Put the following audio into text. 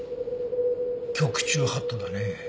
「局中法度」だね。